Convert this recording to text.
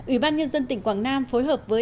ủy ban nhân dân tỉnh quảng nam phối hợp với